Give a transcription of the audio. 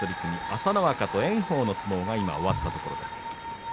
朝乃若と炎鵬の相撲が今、終わったところです。